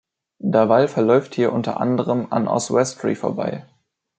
Der Wall verläuft hier unter anderem an Oswestry vorbei.